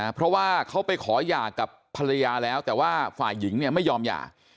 เพราะว่าเขาไปขอหย่ากับภรรยาแล้วแต่ว่าฝ่ายหญิงเนี่ยไม่ยอมหย่า